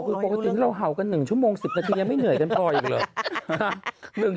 โปรกติแล้วเห่ากัน๑ชั่วโมง๑๐นาทียังไม่เหนื่อยกันกว้างอีกเลย